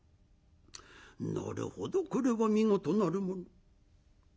なるほどこれは見事なるもの。